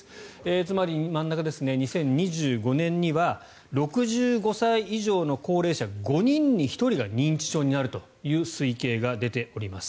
つまり、２０２５年には６５歳以上の高齢者の５人に１人が認知症になるという推計が出ております。